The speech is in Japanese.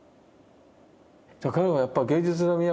彼はやっぱ芸術の都